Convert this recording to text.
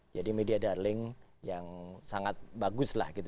jadi media darling yang sangat baguslah gitu